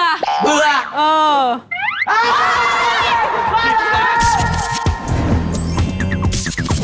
เฮ้ยพูดผ้าแล้วครับ